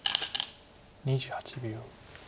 ２８秒。